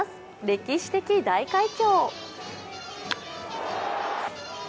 歴史的大快挙を。